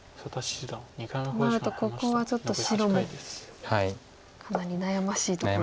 となるとここはちょっと白もかなり悩ましいところですね。